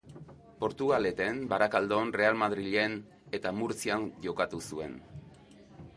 Portugaleten, Barakaldon, Real Madrilen eta Murtzian jokatu zuen.